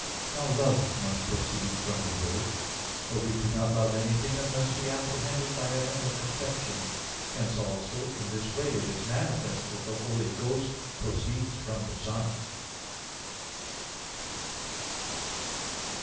Now love must proceed from a word. For we do not love anything unless we apprehend it by a mental conception. Hence also in this way it is manifest that the Holy Ghost proceeds from the Son.